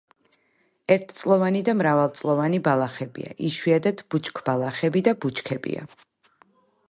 ერთწლოვანი და მრავალწლოვანი ბალახებია, იშვიათად ბუჩქბალახები და ბუჩქებია.